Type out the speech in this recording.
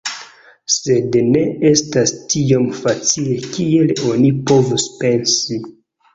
Sed ne estas tiom facile kiel oni povus pensi.